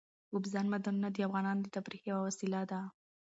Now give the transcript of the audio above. اوبزین معدنونه د افغانانو د تفریح یوه وسیله ده.